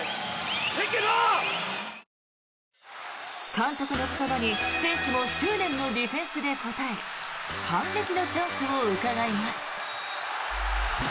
監督の言葉に選手も執念のディフェンスで応え反撃のチャンスをうかがいます。